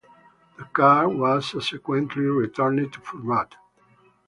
The car was subsequently returned to format.